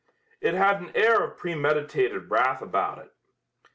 It had an air of premeditated wrath about it.